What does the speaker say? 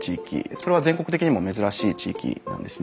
それは全国的にも珍しい地域なんですね。